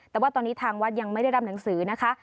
แต่ว่าตอนนี้ทางวัดยังไม่ได้รับหนังสือนะคะ